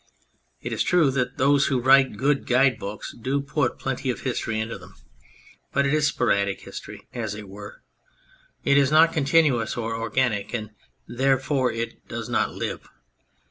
It is true that those who write good guide books do put plenty of history into them, but it is sporadic history, as it were ; it is not continuous or organic, and therefore it does not live.